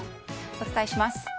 お伝えします。